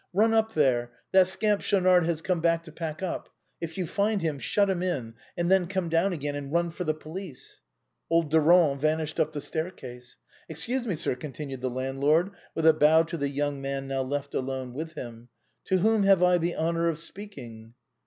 Eun up there, that scamp Schaunard has come back to pack up. If you find him, shut him in, and then come down again and run for the police." Old Durand vanished up the staircase. " Excuse mC;, sir," continued the landlord, with a bow to the young man now left alone with him ;" to whom have have I the honor of speaking